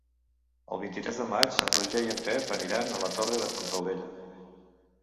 El vint-i-tres de maig en Roger i en Pep aniran a la Torre de Fontaubella.